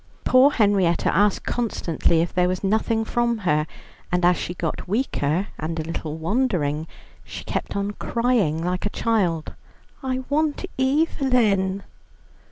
Poor Henrietta asked constantly if there was nothing from her, and as she got weaker, and a little wandering, she kept on crying like a child: "I want Evelyn."